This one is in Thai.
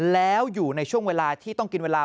แล้วอยู่ในช่วงเวลาที่ต้องกินเวลา